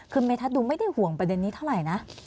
คือเมทัศน์ดูไม่ได้ห่วงประเด็นนี้เท่าไหร่นะ